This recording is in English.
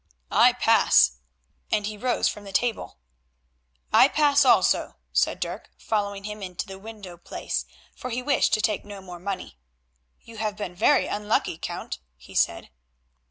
I pass," and he rose from the table. "I pass also," said Dirk following him into the window place, for he wished to take no more money. "You have been very unlucky, Count," he said.